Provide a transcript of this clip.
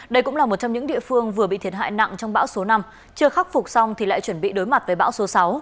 đây cũng là một trong những địa phương vừa bị thiệt hại nặng trong bão số năm chưa khắc phục xong thì lại chuẩn bị đối mặt với bão số sáu